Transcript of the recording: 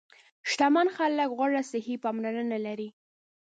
شتمن خلک غوره صحي پاملرنه لري.